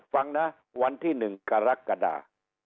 ฟังนะวันที่๑กรกฎา